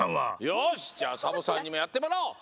よしじゃあサボさんにもやってもらおう。